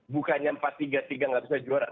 bukannya empat tiga tiga nggak bisa juara